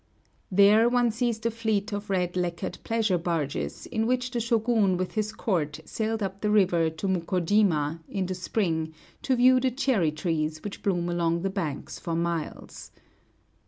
There one sees the fleet of red lacquered pleasure barges in which the Shōgun with his court sailed up the river to Mukōjima, in the spring, to view the cherry trees which bloom along the banks for miles.